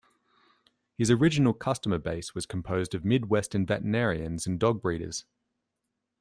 His original customer base was composed of Midwestern veterinarians and dog breeders.